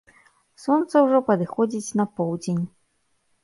Сонца ўжо падыходзіць на поўдзень.